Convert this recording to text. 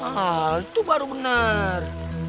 hah itu baru bener